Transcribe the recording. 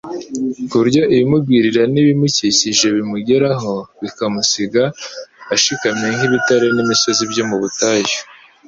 ku buryo ibimugwirira bimukikije bimugeraho bikamusiga ashikamye nk'ibitare n'imisozi byo mu butayu.